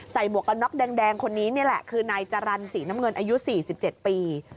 หมวกกันน็อกแดงคนนี้นี่แหละคือนายจรรย์สีน้ำเงินอายุ๔๗ปี